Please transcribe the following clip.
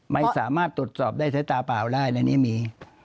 ไม่สามารถตรวจสอบได้ใช้ตาเปล่าได้ในนี้มี